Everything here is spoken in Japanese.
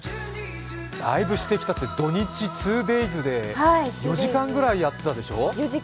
大分してきたって、土日、ツーデイズで４時間ぐらいやったでしょう。